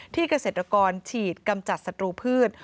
เกษตรกรฉีดกำจัดศัตรูพืช